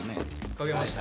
書けました。